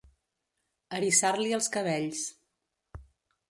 Eriçar-li els cabells.